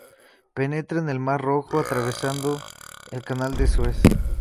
Penetra en el mar Rojo atravesando el canal de Suez.